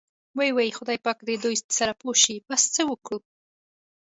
وۍ وۍ خدای پاک دې دوی سره پوه شي، بس څه وکړو.